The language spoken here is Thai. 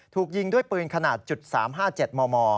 ถูกยิงด้วยปืนขนาด๓๕๗มม